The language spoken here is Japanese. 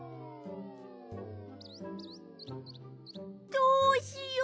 どうしよう。